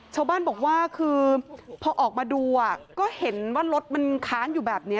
ชาวบ้านบอกว่าคือพอออกมาดูก็เห็นว่ารถมันค้างอยู่แบบนี้